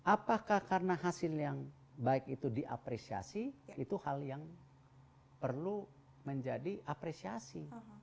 apakah karena hasil yang baik itu diapresiasi itu hal yang perlu menjadi apresiasi